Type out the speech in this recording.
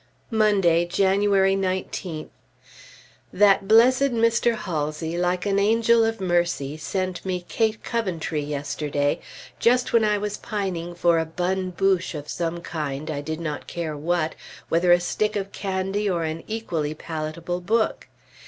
Monday, January 19th. That blessed Mr. Halsey like an angel of mercy sent me "Kate Coventry" yesterday, just when I was pining for a bonne bouche of some kind, I did not care what, whether a stick of candy or an equally palatable book.